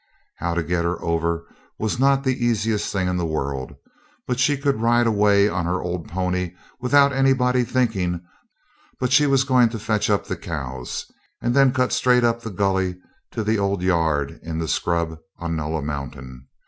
How to get her over was not the easiest thing in the world, but she could ride away on her old pony without anybody thinking but she was going to fetch up the cows, and then cut straight up the gully to the old yard in the scrub on Nulla Mountain.